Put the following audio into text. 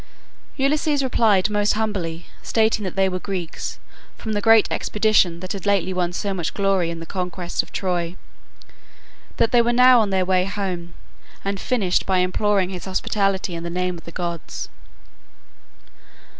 Ulysses replied most humbly, stating that they were Greeks, from the great expedition that had lately won so much glory in the conquest of Troy; that they were now on their way home, and finished by imploring his hospitality in the name of the gods.